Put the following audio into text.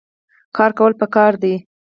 کار کول پکار دي